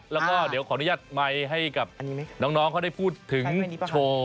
แล้วก็เดี๋ยวขออนุญาตไมค์ให้กับน้องเขาได้พูดถึงโชว์